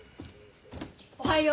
おはよう。